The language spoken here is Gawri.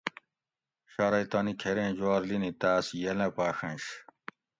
شارئی تانی کھیریں جوار لِینی تاۤس ینلہ پاڛنش